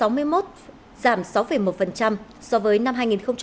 giảm sáu mươi một sáu so với năm hai nghìn hai mươi hai